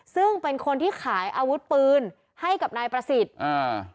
ซึ่งเป็นคนที่ขายอาวุธปืนให้กับนายประสิทธิ์อ่า